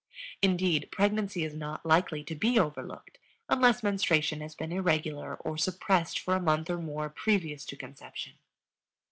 Indeed, pregnancy is not likely to be overlooked unless menstruation has been irregular or suppressed for a month or more previous to conception.